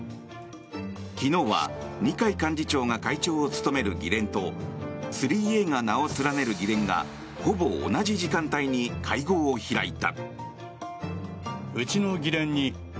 昨日は二階幹事長が会長を務める議連と３Ａが名を連ねる議連がほぼ同じ時間帯に会合を開いた。